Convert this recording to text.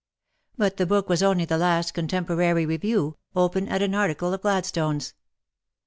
But the book was only the last Contemporary Revieiv, open at an article of Gladstone's.